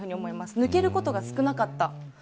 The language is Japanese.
抜けることが少なかった。